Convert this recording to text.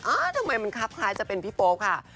ทำไมมันครับคล้ายจะเป็นพี่โป๊ปค่ะ